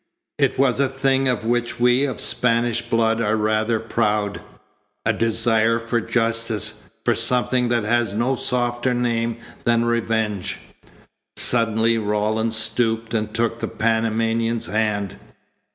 It was a thing of which we of Spanish blood are rather proud a desire for justice, for something that has no softer name than revenge." Suddenly Rawlins stooped and took the Panamanian's hand.